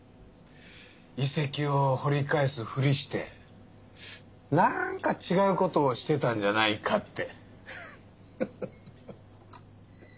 遺跡を掘り返すふりしてなんか違うことをしてたんじゃないかって。